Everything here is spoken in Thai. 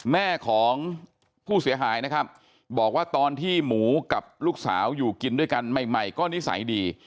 แม่ของผู้เสียหายนะครับบอกว่าตอนที่หมูกับลูกสาวอยู่กินด้วยกันใหม่ก็นิสัยดี